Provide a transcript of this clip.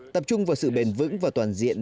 tập trung vào sự bền vững và toàn diện